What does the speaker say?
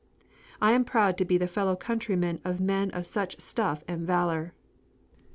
I am proud to be the fellow countryman of men of such stuff and valor.